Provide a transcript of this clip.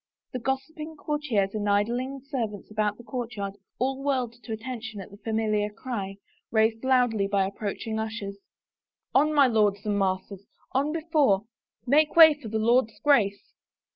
The gossiping courtiers and idling servants about the courtyard all whirled to attention at the familiar cry, raised loudly by approach ing ushers, " On, my lords and masters, on before ; make way for my Lord's Grace."